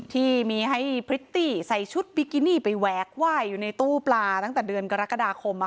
ที่มีให้พริตตี้ใส่ชุดบิกินี่ไปแหวกไหว้อยู่ในตู้ปลาตั้งแต่เดือนกรกฎาคม